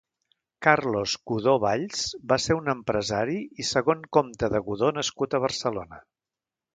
Carlos Godó Valls va ser un empresari i segon comte de Godó nascut a Barcelona.